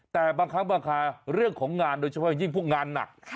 แต่บางครั้งบางคราเรื่องของงานโดยเฉพาะอย่างยิ่งพวกงานหนัก